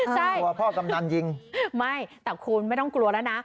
กลัวพ่อกำนันยิงไม่แต่คุณไม่ต้องกลัวแล้วนะ